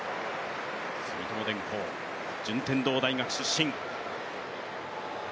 住友電工、順天堂大学出身。